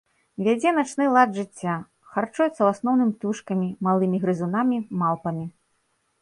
Вядзе начны лад жыцця, харчуецца ў асноўным птушкамі, малымі грызунамі, малпамі.